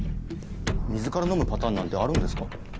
水から飲むパターンなんてあるんですか？